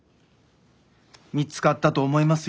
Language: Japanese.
見つかったと思いますよ。